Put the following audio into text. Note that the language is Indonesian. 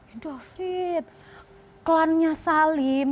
indofood klannya salim